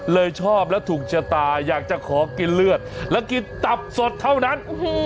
ชอบแล้วถูกชะตาอยากจะขอกินเลือดแล้วกินตับสดเท่านั้น